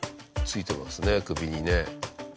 ついてますね首にね。